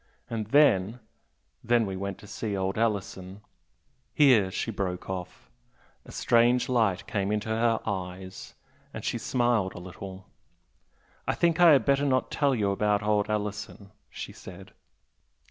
And then then we went to see old Alison " Here she broke off, a strange light came into her eyes and she smiled a little. "I think I had better not tell you about old Alison!" she said.